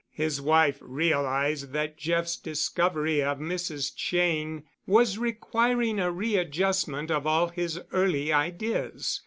His wife realized that Jeff's discovery of Mrs. Cheyne was requiring a readjustment of all his early ideas.